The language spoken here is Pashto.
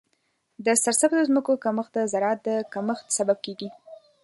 د سرسبزو ځمکو کمښت د زراعت د کمښت سبب کیږي.